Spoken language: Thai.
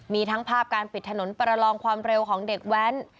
มีทั้งภาพการปิดถนนประลองความเร็วของเด็กแว้น